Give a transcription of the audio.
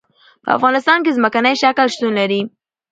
په افغانستان کې ځمکنی شکل شتون لري.